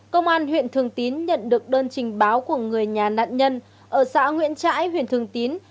công an huyện thường tín nhận được đơn trình báo của người nhà nạn nhân ở xã nguyễn trãi huyện thường tín